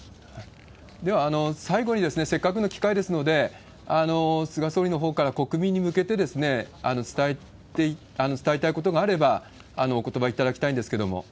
では、最後に、せっかくの機会ですので、菅総理のほうから国民に向けて伝えたいことがあれば、おことばいただきたいんですけれども。